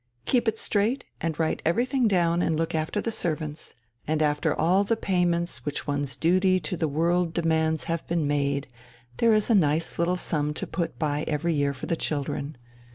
"Keep it straight, and write everything down and look after the servants, and after all the payments which one's duty to the world demands have been made, there is a nice little sum to put by every year for the children.